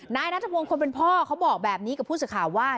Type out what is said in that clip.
นายนัทพงศ์คนเป็นพ่อเขาบอกแบบนี้กับผู้สื่อข่าวว่า